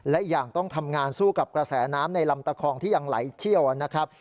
และอย่างต้องทำงานสู้กับกระแสน้ำในลำตะคองที่ยังไหลเชี่ยวนะครับ